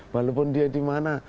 walaupun dia di mana